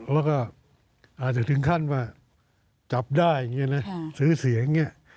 แล้วก็อาจจะถึงขั้นว่าจับได้อย่างนี้นะซื้อเสียงอย่างนี้